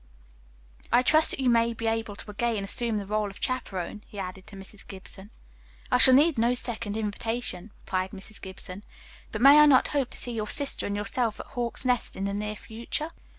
"I trust that you may be able to again assume the role of chaperon," he added to Mrs. Gibson. "I shall need no second invitation," replied Mrs. Gibson. "But may I not hope to see your sister and yourself at Hawks' Nest, in the near future?"